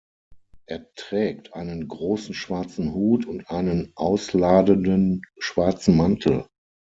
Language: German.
Er trägt einen großen schwarzen Hut und einen ausladenden schwarzen Mantel.